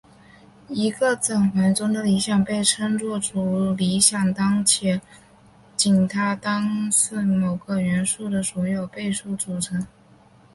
一个整环中的理想被称作主理想当且仅当它是由某个元素的所有倍数组成。